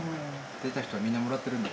出た人はみんなもらってるんだ。